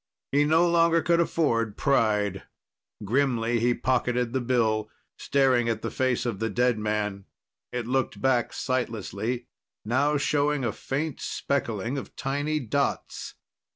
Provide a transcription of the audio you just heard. He no longer could afford pride. Grimly, he pocketed the bill, staring at the face of the dead man. It looked back sightlessly, now showing a faint speckling of tiny dots.